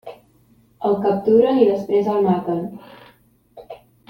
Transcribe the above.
El capturen i després el maten.